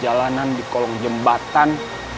jalanan di kolong jembatan